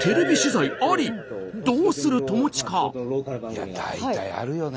いや大体あるよね。